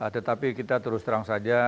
tetapi kita terus terang saja